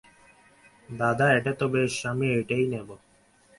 দাদা, এটা বেশ, আমি এইটেই নেব।